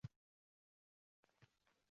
Sizga faqat tashvish berdim mardona